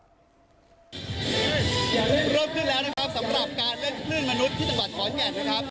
เริ่มขึ้นแล้วนะครับสำหรับการเล่นคลื่นมนุษย์ที่จังหวัดขอนแก่นนะครับ